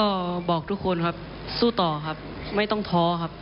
ก็บอกทุกคนครับสู้ต่อครับไม่ต้องท้อครับ